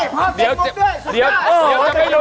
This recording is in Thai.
พอเฟ้ยมงด้วยสุดท้าย